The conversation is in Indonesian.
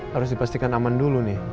harus dipastikan aman dulu nih